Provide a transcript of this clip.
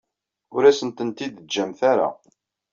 Ur asent-tent-id-teǧǧamt ara.